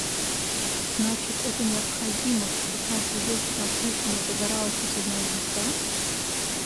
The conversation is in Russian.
Значит – это необходимо, чтобы каждый вечер над крышами загоралась хоть одна звезда?!